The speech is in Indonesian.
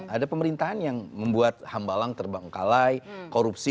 ada pemerintahan yang membuat hambalang terbengkalai korupsi